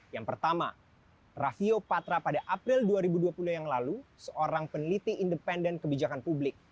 yang pertama raffio patra pada april dua ribu dua puluh yang lalu seorang peneliti independen kebijakan publik